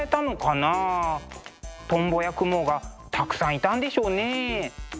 トンボやクモがたくさんいたんでしょうねえ。